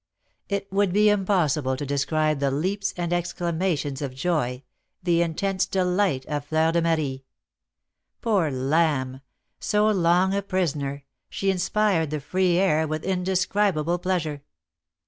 It would be impossible to describe the leaps and exclamations of joy, the intense delight, of Fleur de Marie. Poor lamb! so long a prisoner, she inspired the free air with indescribable pleasure.